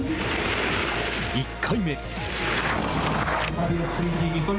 １回目。